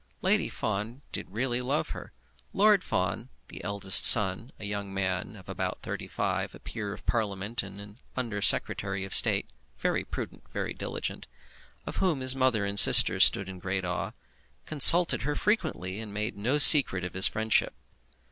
Lady Fawn did really love her. Lord Fawn, the eldest son, a young man of about thirty five, a Peer of Parliament and an Under Secretary of State, very prudent and very diligent, of whom his mother and sisters stood in great awe, consulted her frequently and made no secret of his friendship.